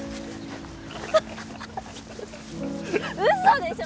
嘘でしょ！？